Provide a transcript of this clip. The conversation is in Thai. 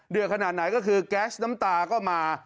ขนาดไหนก็คือแก๊สน้ำตาก็มา